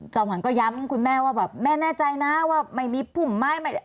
ขวัญก็ย้ำคุณแม่ว่าแบบแม่แน่ใจนะว่าไม่มีพุ่มไม้